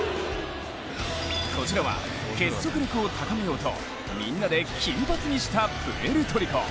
こちらは、結束力を高めようとみんなで金髪にしたプエルトリコ。